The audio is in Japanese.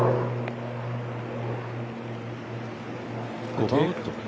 ５番ウッド？